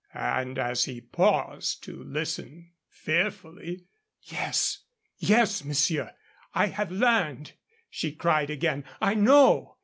And as he paused to listen, fearfully: "Yes, yes, monsieur, I have learned," she cried again. "I know.